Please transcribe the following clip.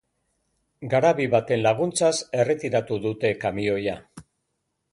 Garabi baten laguntzaz erretiratu dute kamioia.